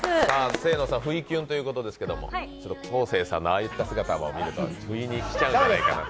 清野さん、ふいきゅんということですけど、昴生さんのああいう姿を見ると不意にキュンしちゃうんじゃないかと。